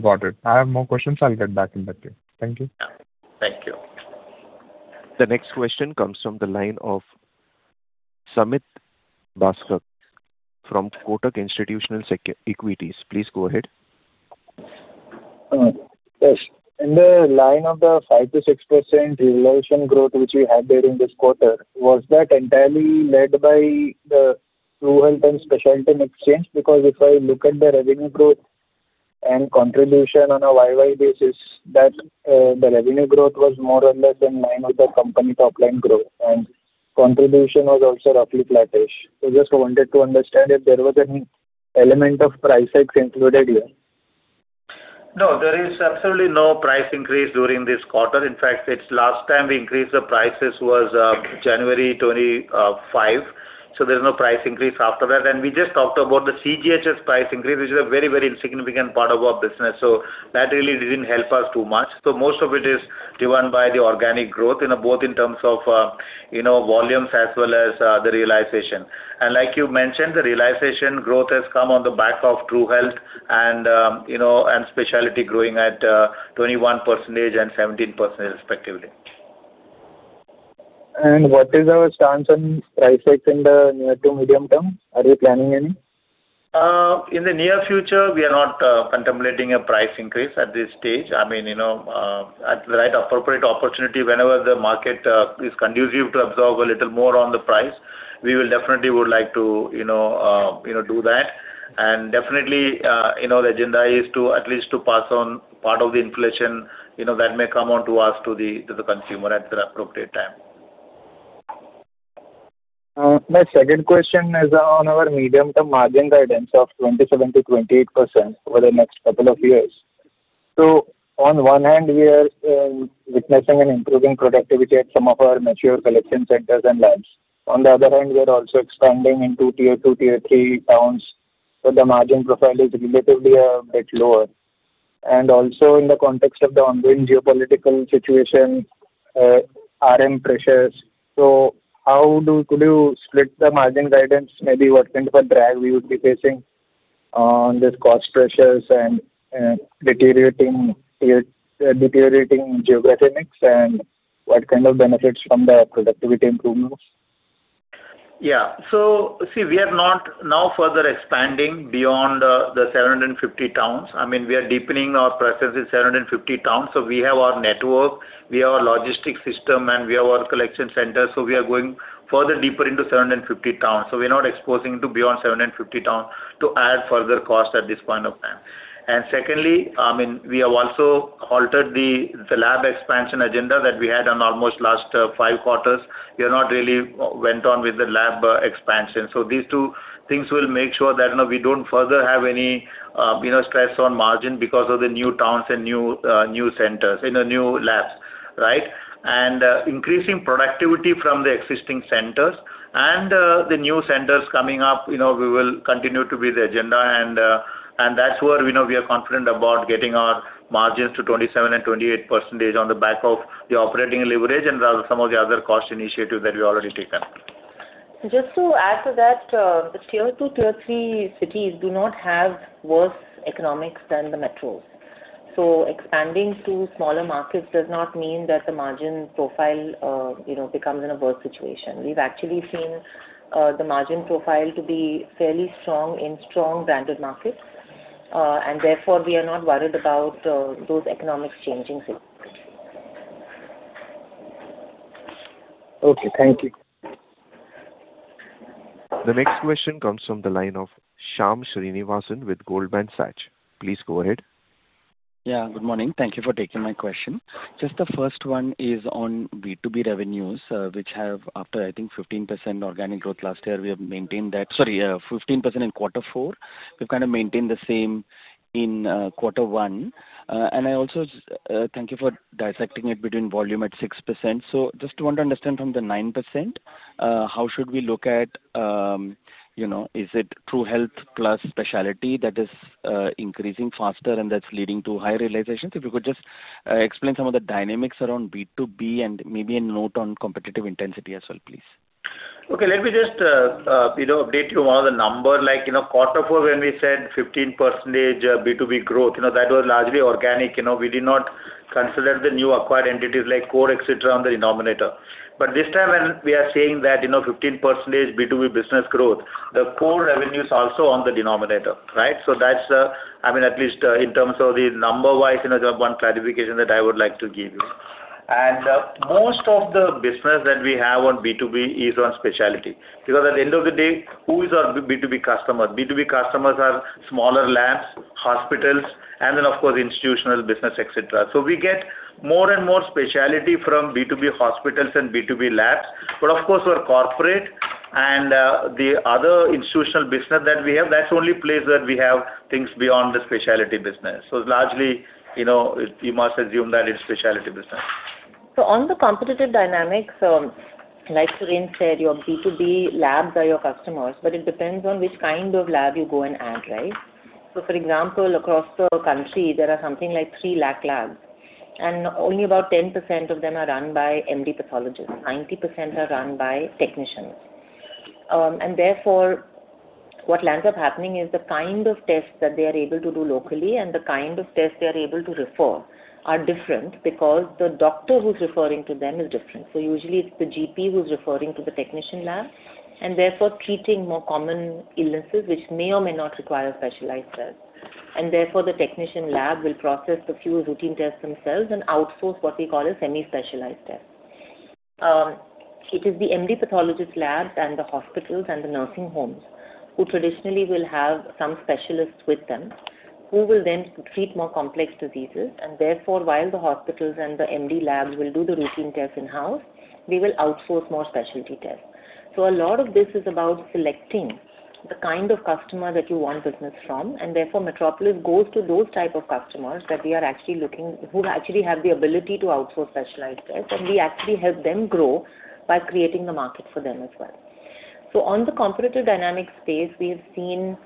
Speaker 8: Got it. I have more questions. I'll get back in that case. Thank you.
Speaker 4: Yeah. Thank you.
Speaker 1: The next question comes from the line of Samit Basak from Kotak Institutional Equities. Please go ahead.
Speaker 9: Yes. In the line of the 5%-6% realization growth which we had there in this quarter, was that entirely led by the TruHealth and specialty in exchange? Because if I look at the revenue growth and contribution on a YoY basis, that the revenue growth was more or less in line with the company top line growth, and contribution was also roughly flattish. Just wanted to understand if there was any element of price hikes included here.
Speaker 4: No, there is absolutely no price increase during this quarter. In fact, last time we increased the prices was January 2025. There's no price increase after that. We just talked about the CGHS price increase, which is a very insignificant part of our business. That really didn't help us too much. Most of it is driven by the organic growth, both in terms of volumes as well as the realization. Like you mentioned, the realization growth has come on the back of TruHealth and Specialty growing at 21% and 17% respectively.
Speaker 9: What is our stance on price hikes in the near to medium term? Are you planning any?
Speaker 4: In the near future, we are not contemplating a price increase at this stage. At the right appropriate opportunity, whenever the market is conducive to absorb a little more on the price, we will definitely would like to do that. Definitely, the agenda is to at least to pass on part of the inflation that may come on to us, to the consumer at the appropriate time.
Speaker 9: My second question is on our medium-term margin guidance of 27%-28% over the next couple of years. On one hand, we are witnessing an improving productivity at some of our mature collection centers and labs. On the other hand, we are also expanding into Tier 2, Tier 3 towns, the margin profile is relatively a bit lower. Also in the context of the ongoing geopolitical situation, RM pressures. Could you split the margin guidance, maybe what kind of a drag we would be facing on this cost pressures and deteriorating geodynamics, and what kind of benefits from the productivity improvements?
Speaker 4: See, we are not now further expanding beyond the 750 towns. We are deepening our presence in 750 towns. We have our network, we have our logistics system, and we have our collection center. We are going further deeper into 750 towns. We're not exposing to beyond 750 towns to add further cost at this point of time. Secondly, we have also halted the lab expansion agenda that we had on almost last five quarters. We have not really went on with the lab expansion. These two things will make sure that we don't further have any stress on margin because of the new towns and new labs. Right? Increasing productivity from the existing centers and the new centers coming up, we will continue to be the agenda, and that's where we are confident about getting our margins to 27% and 28% on the back of the operating leverage and some of the other cost initiatives that we've already taken.
Speaker 3: Just to add to that, the Tier 2, Tier 3 cities do not have worse economics than the metros. Expanding to smaller markets does not mean that the margin profile becomes in a worse situation. We've actually seen the margin profile to be fairly strong in strong branded markets, therefore we are not worried about those economics changing significantly.
Speaker 9: Okay. Thank you.
Speaker 1: The next question comes from the line of Shyam Srinivasan with Goldman Sachs. Please go ahead.
Speaker 10: Yeah. Good morning. Thank you for taking my question. Just the first one is on B2B revenues, which have after, I think, 15% organic growth last year, we have maintained that. Sorry, 15% in quarter four. We've kind of maintained the same in quarter one. I also thank you for dissecting it between volume at 6%. Just want to understand from the 9%, how should we look at, is it TruHealth plus Specialty that is increasing faster and that's leading to higher realizations? If you could just explain some of the dynamics around B2B and maybe a note on competitive intensity as well, please.
Speaker 4: Okay. Let me just update you on the number. Like quarter four, when we said 15% B2B growth, that was largely organic. We did not consider the new acquired entities like Core, etc., on the denominator. This time when we are saying that 15% B2B business growth, the Core revenue is also on the denominator. Right? That's, at least in terms of the number wise, one clarification that I would like to give you. Most of the business that we have on B2B is on specialty. Because at the end of the day, who is our B2B customer? B2B customers are smaller labs, hospitals, and then of course, institutional business, et cetera. We get more and more specialty from B2B hospitals and B2B labs. Of course, our corporate and the other institutional business that we have, that's the only place that we have things beyond the specialty business. Largely, you must assume that it's specialty business.
Speaker 3: On the competitive dynamics, like Suren said, your B2B labs are your customers, but it depends on which kind of lab you go and add, right? For example, across the country, there are something like three lakh labs, and only about 10% of them are run by MD pathologists. 90% are run by technicians. Therefore, what lands up happening is the kind of tests that they are able to do locally and the kind of tests they are able to refer are different because the doctor who's referring to them is different. Usually it's the GP who's referring to the technician lab, and therefore treating more common illnesses, which may or may not require specialized tests. Therefore the technician lab will process a few routine tests themselves and outsource what we call a semi-specialized test. It is the MD pathologist labs and the hospitals and the nursing homes who traditionally will have some specialists with them, who will then treat more complex diseases, and therefore, while the hospitals and the MD labs will do the routine tests in-house, they will outsource more specialty tests. A lot of this is about selecting the kind of customer that you want business from, and therefore, Metropolis goes to those type of customers who actually have the ability to outsource specialized tests, and we actually help them grow by creating the market for them as well. On the competitive dynamic space, we have seen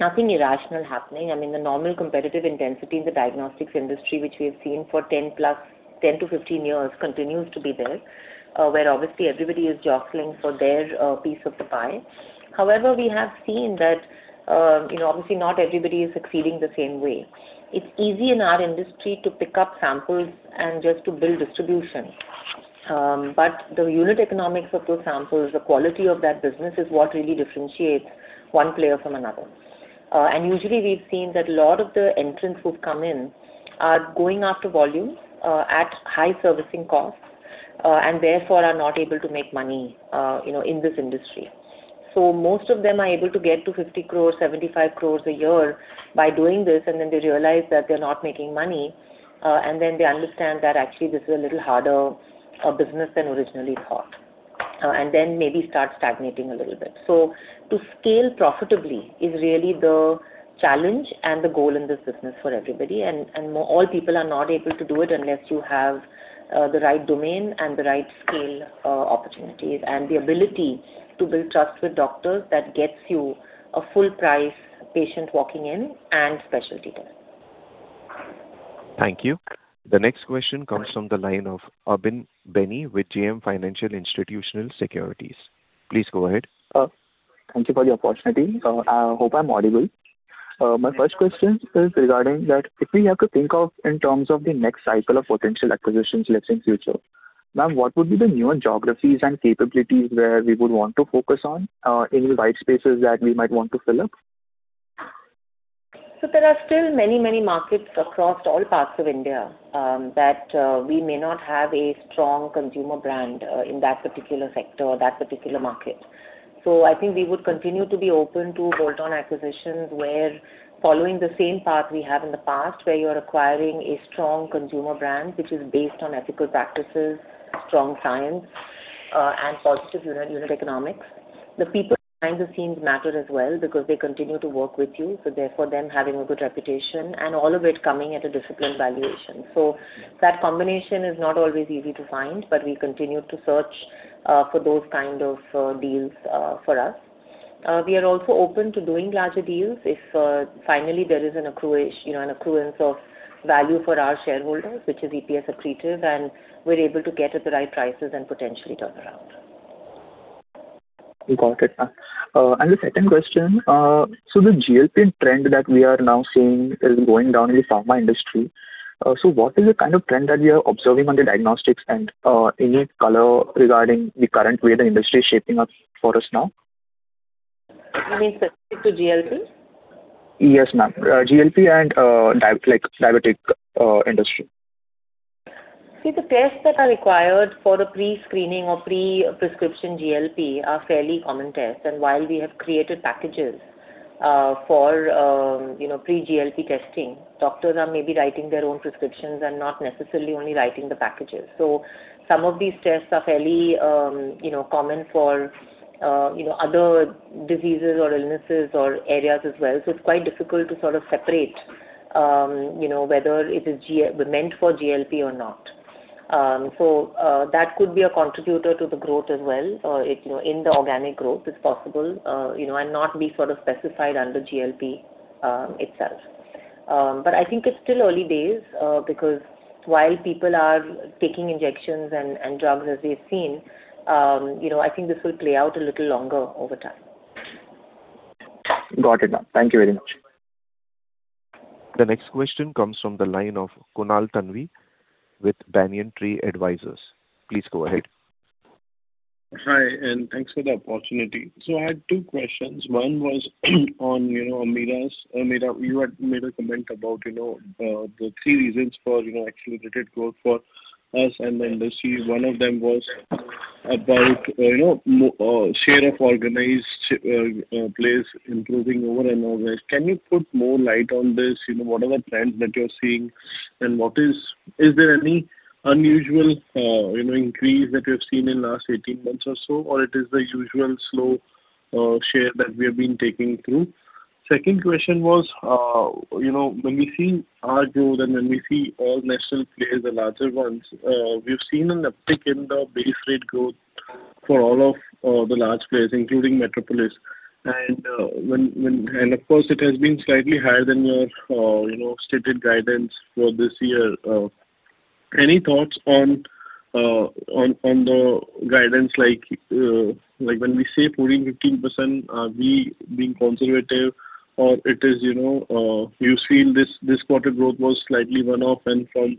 Speaker 3: nothing irrational happening. I mean, the normal competitive intensity in the diagnostics industry, which we have seen for 10 years-15 years, continues to be there where obviously everybody is jostling for their piece of the pie. However, we have seen that obviously not everybody is succeeding the same way. It's easy in our industry to pick up samples and just to build distribution. The unit economics of those samples, the quality of that business is what really differentiates one player from another. Usually we've seen that a lot of the entrants who've come in are going after volume at high servicing costs, and therefore are not able to make money in this industry. Most of them are able to get to 50 crore, 75 crore a year by doing this, and then they realize that they're not making money. They understand that actually this is a little harder a business than originally thought. Maybe start stagnating a little bit. To scale profitably is really the challenge and the goal in this business for everybody. All people are not able to do it unless you have the right domain and the right scale opportunities and the ability to build trust with doctors that gets you a full price patient walking in and specialty tests.
Speaker 1: Thank you. The next question comes from the line of Abin Benny with JM Financial Institutional Securities. Please go ahead.
Speaker 2: Thank you for the opportunity. I hope I'm audible. My first question is regarding that if we have to think of in terms of the next cycle of potential acquisitions, let's say in future. Ma'am, what would be the newer geographies and capabilities where we would want to focus on, any white spaces that we might want to fill up?
Speaker 3: There are still many, many markets across all parts of India that we may not have a strong consumer brand in that particular sector or that particular market. I think we would continue to be open to bolt-on acquisitions where following the same path we have in the past, where you're acquiring a strong consumer brand, which is based on ethical practices, strong science, and positive unit economics. The people behind the scenes matter as well because they continue to work with you, therefore them having a good reputation and all of it coming at a disciplined valuation. That combination is not always easy to find, but we continue to search for those kind of deals for us. We are also open to doing larger deals if finally there is an accruance of value for our shareholders, which is EPS accretive, and we're able to get at the right prices and potentially turn around.
Speaker 2: Got it. The second question. The GLP-1 trend that we are now seeing is going down in the pharma industry. What is the kind of trend that you are observing on the diagnostics and any color regarding the current way the industry is shaping up for us now?
Speaker 3: You mean specific to GLP-1?
Speaker 2: Yes, ma'am. GLP-1 and diabetic industry.
Speaker 3: The tests that are required for a pre-screening or pre-prescription GLP-1 are fairly common tests. While we have created packages for pre-GLP-1 testing, doctors are maybe writing their own prescriptions and not necessarily only writing the packages. Some of these tests are fairly common for other diseases or illnesses or areas as well. It's quite difficult to sort of separate whether it is meant for GLP-1 or not. That could be a contributor to the growth as well, in the organic growth it's possible, and not be sort of specified under GLP-1 itself. I think it's still early days because while people are taking injections and drugs as we've seen, I think this will play out a little longer over time.
Speaker 2: Got it, ma'am. Thank you very much.
Speaker 1: The next question comes from the line of Kunal Thanvi with Banyan Tree Advisors. Please go ahead.
Speaker 11: Hi, thanks for the opportunity. I had two questions. One was on, Ameera, you had made a comment about the three reasons for accelerated growth for us and the industry. One of them was about share of organized players improving more and more. Can you put more light on this? What are the trends that you're seeing? Is there any unusual increase that you've seen in the last 18 months or so? Or it is the usual slow share that we have been taking through? Second question was, when we see our growth and when we see all national players, the larger ones, we've seen an uptick in the base rate growth for all of the large players, including Metropolis. Of course, it has been slightly higher than your stated guidance for this year. Any thoughts on the guidance? When we say 14%-15%, are we being conservative or you feel this quarter growth was slightly one-off and from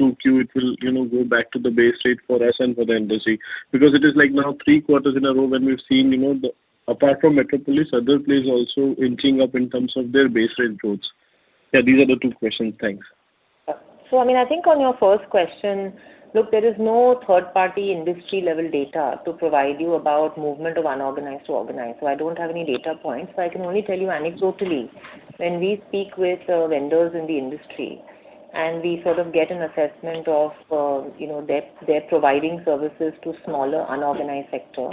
Speaker 11: 2Q it will go back to the base rate for us and for the industry? Because it is now three quarters in a row when we've seen, apart from Metropolis, other players also inching up in terms of their base rate growths. These are the two questions. Thanks.
Speaker 3: I think on your first question, look, there is no third-party industry level data to provide you about movement of unorganized to organized. I don't have any data points. I can only tell you anecdotally, when we speak with vendors in the industry, and we sort of get an assessment of their providing services to smaller unorganized sector,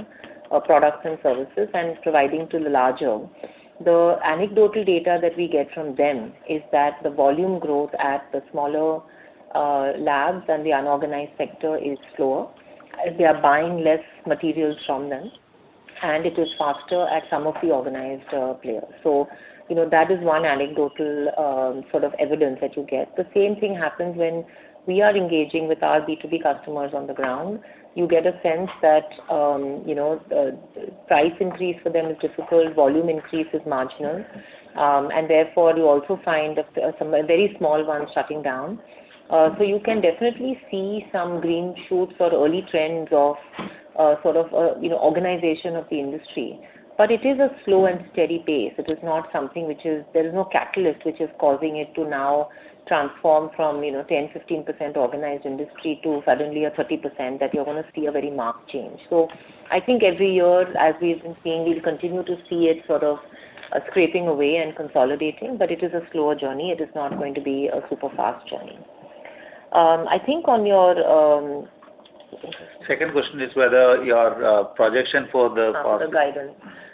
Speaker 3: products and services, and providing to the larger. The anecdotal data that we get from them is that the volume growth at the smaller labs and the unorganized sector is slower. They are buying less materials from them, and it is faster at some of the organized players. That is one anecdotal sort of evidence that you get. The same thing happens when we are engaging with our B2B customers on the ground. You get a sense that price increase for them is difficult, volume increase is marginal. Therefore, you also find very small ones shutting down. You can definitely see some green shoots or early trends of sort of organization of the industry. It is a slow and steady pace. There is no catalyst which is causing it to now transform from 10%-15% organized industry to suddenly a 30%, that you're going to see a very marked change. I think every year, as we've been seeing, we'll continue to see it sort of scraping away and consolidating, but it is a slower journey. It is not going to be a super fast journey. I think on your.
Speaker 4: Second question is whether your projection for the-
Speaker 3: For the guidance.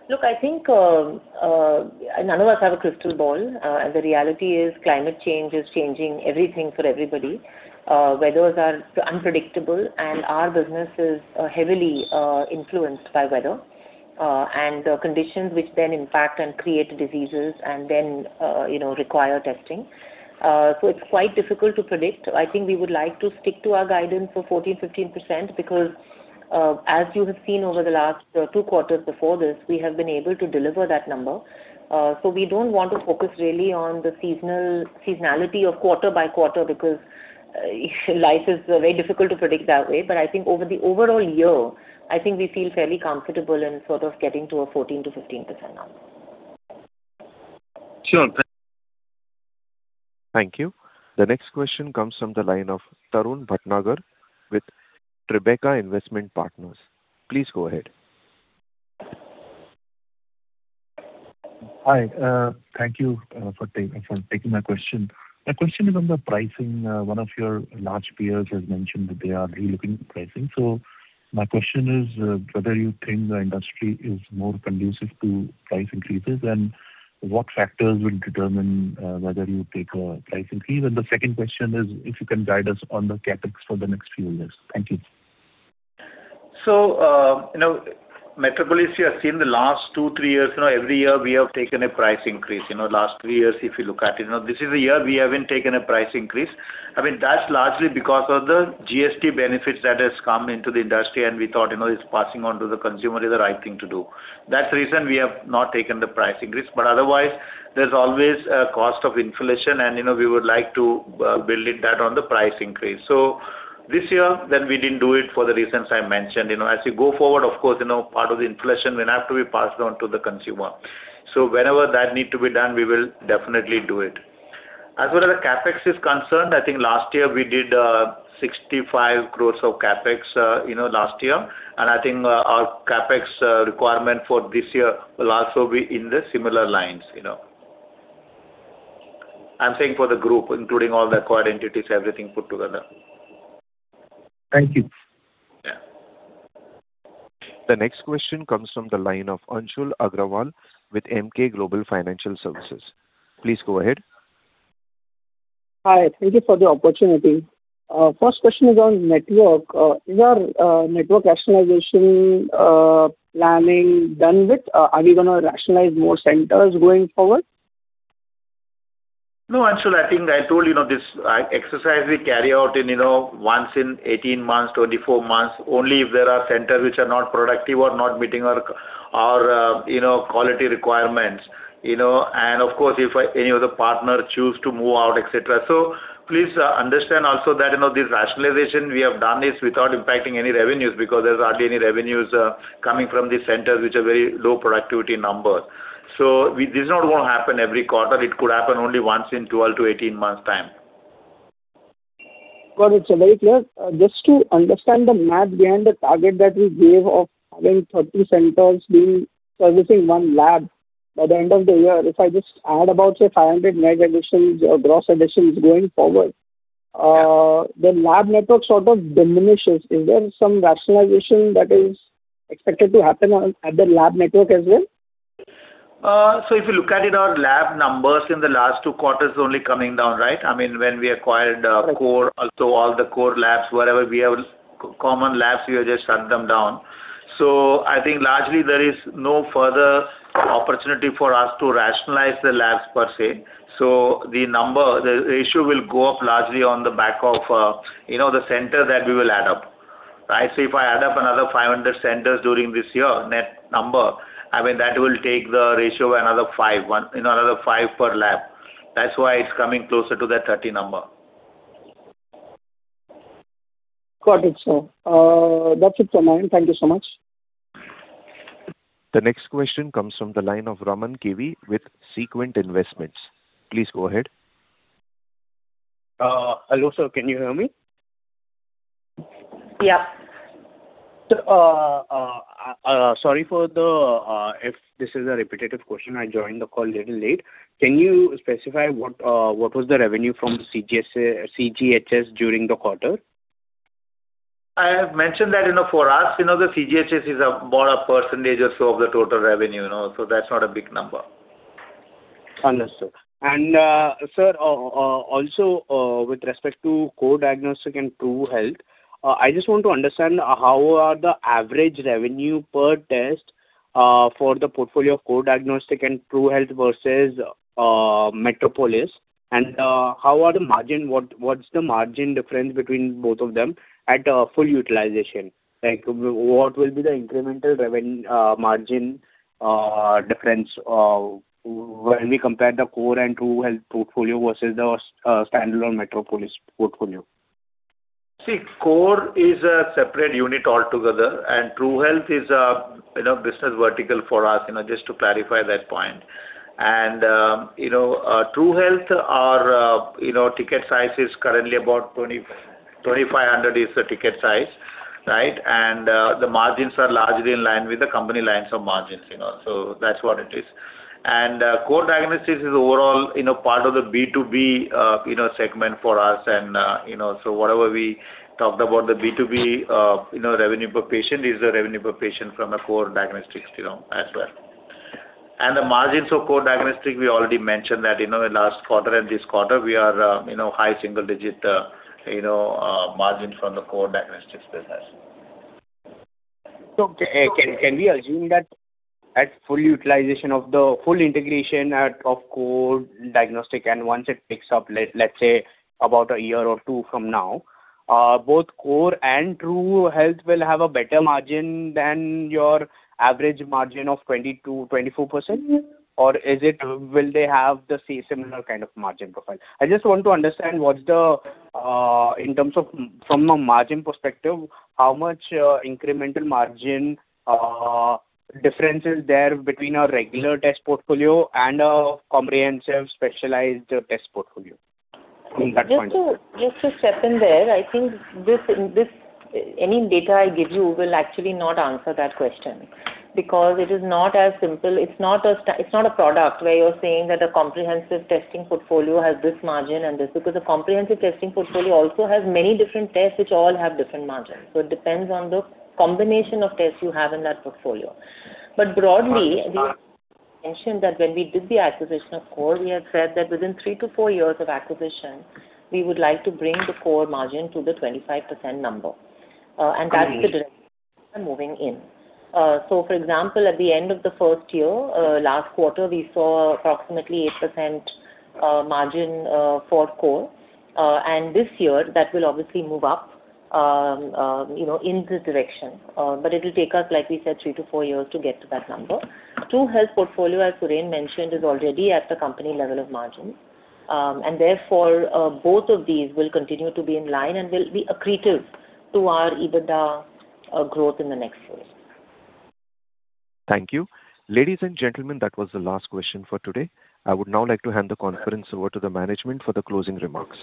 Speaker 3: Look, I think none of us have a crystal ball. The reality is climate change is changing everything for everybody. Weathers are unpredictable, and our business is heavily influenced by weather. Conditions which then impact and create diseases and then require testing. It's quite difficult to predict. I think we would like to stick to our guidance for 14%-15%, because, as you have seen over the last two quarters before this, we have been able to deliver that number. We don't want to focus really on the seasonality of quarter-by-quarter, because life is very difficult to predict that way. I think over the overall year, I think we feel fairly comfortable in sort of getting to a 14%-15% number.
Speaker 11: Sure.
Speaker 1: Thank you. The next question comes from the line of Tarun Bhatnagar with Tribeca Investment Partners. Please go ahead.
Speaker 12: Hi. Thank you for taking my question. My question is on the pricing. One of your large peers has mentioned that they are relooking pricing. My question is whether you think the industry is more conducive to price increases, and what factors would determine whether you take a price increase? The second question is if you can guide us on the CapEx for the next few years. Thank you.
Speaker 4: Metropolis, you have seen the last two, three years, every year we have taken a price increase. Last three years, if you look at it. This is a year we haven't taken a price increase. That's largely because of the GST benefits that has come into the industry, and we thought it's passing on to the consumer is the right thing to do. That's the reason we have not taken the price increase. Otherwise, there's always a cost of inflation, and we would like to build in that on the price increase. This year, then we didn't do it for the reasons I mentioned. As we go forward, of course, part of the inflation will have to be passed on to the consumer. Wherever that need to be done, we will definitely do it. As far as the CapEx is concerned, I think last year we did 65 crore of CapEx last year, and I think our CapEx requirement for this year will also be in the similar lines. I'm saying for the group, including all the acquired entities, everything put together.
Speaker 12: Thank you.
Speaker 4: Yeah.
Speaker 1: The next question comes from the line of Anshul Agrawal with Emkay Global Financial Services. Please go ahead.
Speaker 13: Hi. Thank you for the opportunity. First question is on network. Is your network rationalization planning done with? Are you going to rationalize more centers going forward?
Speaker 4: No, Anshul, I think I told you, this exercise we carry out in once in 18 months, 24 months, only if there are centers which are not productive or not meeting our quality requirements. Of course, if any of the partners choose to move out, etc. Please understand also that this rationalization, we have done this without impacting any revenues because there's hardly any revenues coming from these centers, which are very low productivity numbers. This is not going to happen every quarter. It could happen only once in 12 months-18 months time.
Speaker 13: Got it, sir. Very clear. Just to understand the math behind the target that you gave of having 30 centers servicing one lab by the end of the year, if I just add about, say, 500 net additions or gross additions going forward, the lab network sort of diminishes. Is there some rationalization that is expected to happen at the lab network as well?
Speaker 4: If you look at it, our lab numbers in the last two quarters are only coming down, right? When we acquired Core, also all the Core labs, wherever we have common labs, we have just shut them down. I think largely there is no further opportunity for us to rationalize the labs per se. The ratio will go up largely on the back of the centers that we will add up. If I add up another 500 centers during this year, net number, that will take the ratio another five per lab. That's why it's coming closer to that 30 number.
Speaker 13: Got it, sir. That's it from my end. Thank you so much.
Speaker 1: The next question comes from the line of Raman Venkata Kerti with Sequent Investments. Please go ahead.
Speaker 14: Hello, sir. Can you hear me?
Speaker 3: Yeah.
Speaker 14: Sorry if this is a repetitive question, I joined the call a little late. Can you specify what was the revenue from CGHS during the quarter?
Speaker 4: I have mentioned that for us, the CGHS is about a percentage or so of the total revenue. That's not a big number.
Speaker 14: Understood. Sir, also with respect to Core Diagnostics and TruHealth, I just want to understand how are the average revenue per test for the portfolio of Core Diagnostics and TruHealth vs Metropolis, and what's the margin difference between both of them at full utilization? What will be the incremental margin difference when we compare the Core and TruHealth portfolio vs the standalone Metropolis portfolio?
Speaker 4: Core is a separate unit altogether. TruHealth is a business vertical for us, just to clarify that point. TruHealth, our ticket size is currently about 2,500, is the ticket size. The margins are largely in line with the company lines of margins. That's what it is. Core Diagnostics is overall part of the B2B segment for us. Whatever we talked about the B2B revenue per patient, is the revenue per patient from a Core Diagnostics as well. The margins of Core Diagnostics, we already mentioned that in the last quarter and this quarter we are high-single digit margin from the Core Diagnostics business.
Speaker 14: Can we assume that at full integration of Core Diagnostics, and once it picks up, let's say about a year or two from now, both Core and TruHealth will have a better margin than your average margin of 22%-24%? Will they have the similar kind of margin profile? I just want to understand, from a margin perspective, how much incremental margin difference is there between a regular test portfolio and a comprehensive specialized test portfolio from that point.
Speaker 3: Just to step in there. I think any data I give you will actually not answer that question, because it is not as simple. It's not a product where you're saying that a comprehensive testing portfolio has this margin and this. A comprehensive testing portfolio also has many different tests which all have different margins. It depends on the combination of tests you have in that portfolio. Broadly, we mentioned that when we did the acquisition of Core, we had said that within three to four years of acquisition, we would like to bring the Core margin to the 25% number. That's the direction we are moving in. For example, at the end of the first year, last quarter, we saw approximately 8% margin for Core. This year, that will obviously move up in this direction. It will take us, like we said, three to four years to get to that number. TruHealth portfolio, as Suren mentioned, is already at the company level of margin. Therefore, both of these will continue to be in line and will be accretive to our EBITDA growth in the next phase.
Speaker 1: Thank you. Ladies and gentlemen, that was the last question for today. I would now like to hand the conference over to the management for the closing remarks.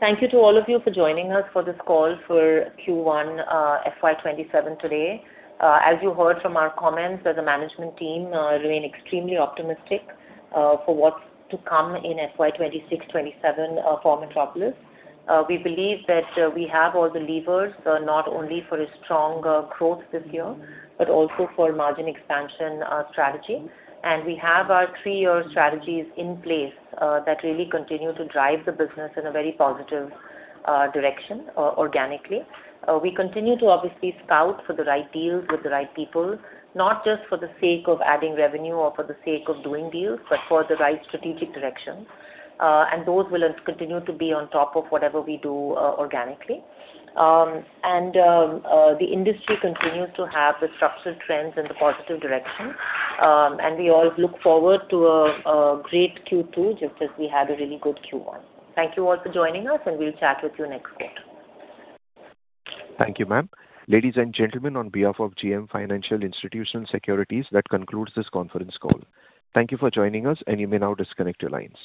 Speaker 3: Thank you to all of you for joining us for this call for Q1 FY 2027 today. As you heard from our comments, the management team remain extremely optimistic for what's to come in FY 2026-2027 for Metropolis. We believe that we have all the levers, not only for a strong growth this year, but also for margin expansion strategy. We have our three-year strategies in place that really continue to drive the business in a very positive direction organically. We continue to obviously scout for the right deals with the right people, not just for the sake of adding revenue or for the sake of doing deals, but for the right strategic direction. Those will continue to be on top of whatever we do organically. The industry continues to have the structural trends in the positive direction. We all look forward to a great Q2, just as we had a really good Q1. Thank you all for joining us, and we'll chat with you next quarter.
Speaker 1: Thank you, ma'am. Ladies and gentlemen, on behalf of JM Financial Institutional Securities, that concludes this conference call. Thank you for joining us, and you may now disconnect your lines.